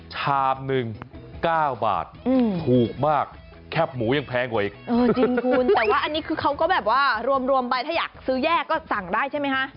ชามหนึ่ง๙บาทถูกมากแคบหมูยังแพงกว่าอีกเออจริงคุณแต่ว่าอันนี้คือเขาก็แบบว่ารวมไปถ้าอยากซื้อแยกก็สั่งได้ใช่ไหมคะ